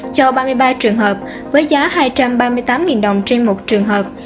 cho ba mươi ba trường hợp với giá hai trăm ba mươi tám đồng trên một trường hợp